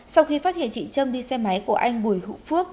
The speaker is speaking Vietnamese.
sau khi phát hiện chị trâm đi xe máy của anh bùi hữu phước